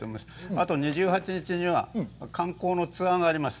あと２８日には観光のツアーがあります。